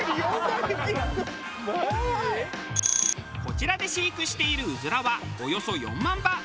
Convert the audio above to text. こちらで飼育しているうずらはおよそ４万羽。